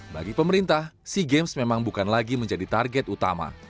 bagi pemerintah sea games memang bukan lagi menjadi target utama